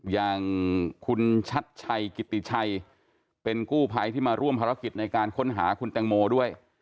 อย่างคุณชัดชัยกิติชัยเป็นกู้ภัยที่มาร่วมภารกิจในการค้นหาคุณแตงโมด้วย